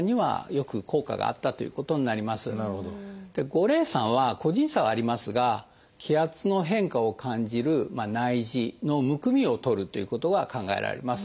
五苓散は個人差はありますが気圧の変化を感じる内耳のむくみを取るということが考えられます。